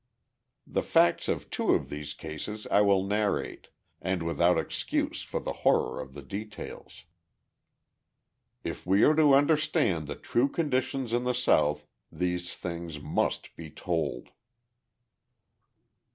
The facts of two of these cases I will narrate and without excuse for the horror of the details. If we are to understand the true conditions in the South, these things must be told.